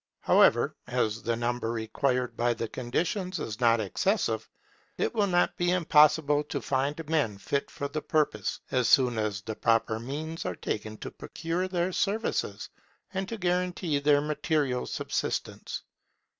However, as the number required by the conditions is not excessive, it will not be impossible to find men fit for the purpose, as soon as the proper means are taken to procure their services, and to guarantee their material subsistence.